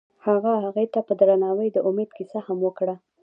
هغه هغې ته په درناوي د امید کیسه هم وکړه.